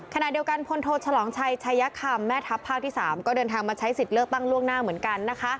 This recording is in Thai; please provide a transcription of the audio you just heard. เข้ากลับในทันทีเลย